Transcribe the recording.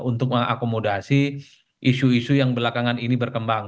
untuk mengakomodasi isu isu yang belakangan ini berkembang